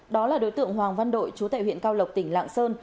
đó là đối tượng hoàng văn đội chú tệ huyện cao lộc tỉnh lạng sơn